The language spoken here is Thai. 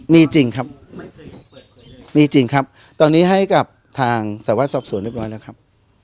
มีจริงครับมีจริงครับตอนนี้ให้กับทางสวรสอบสวนเรียบร้อยแล้วครับ